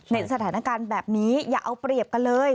ในสถานการณ์แบบนี้อย่าเอาเปรียบกันเลย